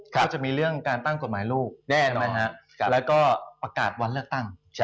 ก็จะมีเรื่องการตั้งกฎหมายลูกแล้วก็ประกาศวันเลือกตั้ง